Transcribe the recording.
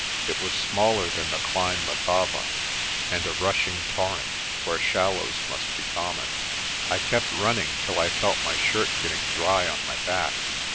It was smaller than the Klein Letaba, and a rushing torrent where shallows must be common. I kept running till I felt my shirt getting dry on my back.